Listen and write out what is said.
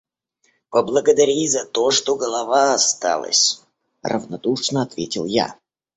— Поблагодари и за то, что голова осталась, — равнодушно ответил я.